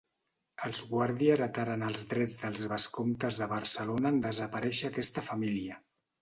Els Guàrdia heretaren els drets dels vescomtes de Barcelona en desaparèixer aquesta família.